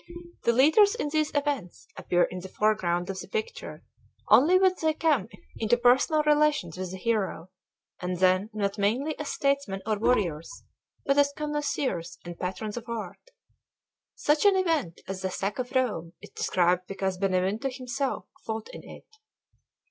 The leaders in these events appear in the foreground of the picture only when they come into personal relations with the hero; and then not mainly as statesmen or warriors, but as connoisseurs and patrons of art. Such an event as the Sack of Rome is described because Benvenuto himself fought in it.